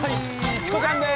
チコちゃんです